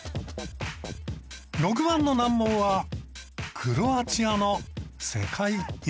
６番の難問はクロアチアの世界遺産。